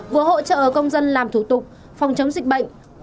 vừa hỗ trợ công dân làm thủ tục phòng chống dịch bệnh